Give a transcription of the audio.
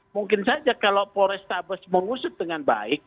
mungkin saja kalau polres sabes mengusut dengan baik